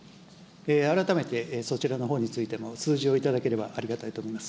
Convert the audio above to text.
改めてそちらのほうについても、数字を頂ければありがたいと思います。